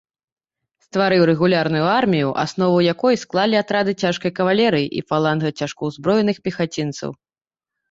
Стварыў рэгулярную армію, аснову якой склалі атрады цяжкай кавалерыі і фаланга цяжкаўзброеных пехацінцаў.